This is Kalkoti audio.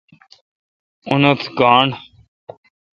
اونتھ گاݨڈ